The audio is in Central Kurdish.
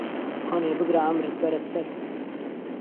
هانێ بگره عەمرت بەره سەر